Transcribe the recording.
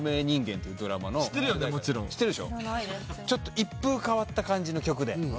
ちょっと一風変わった感じの曲で。